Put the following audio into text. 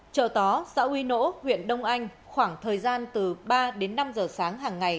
chợ tó xã uy nỗ huyện đông anh khoảng thời gian từ ba đến năm giờ sáng hàng ngày